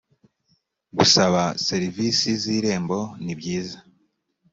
gusaba serivisi z irembo nibyiza